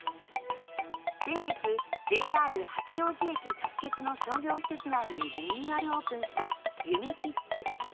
先月ＪＲ八王子駅直結の商業施設内にリニューアルオープンした「ゆめきっず」。